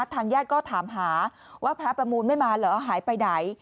ทางญาติก็ถามหาว่าพระประมูลไม่มาเหรอหายไปไหน